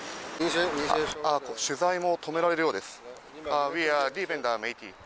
取材も止められるようです。